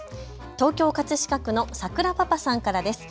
東京葛飾区のさくらパパさんからです。